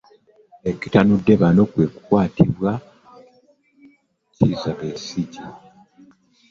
Ekitanudde bano lwa kukwatibwa kwa dokita Kizza Besigye.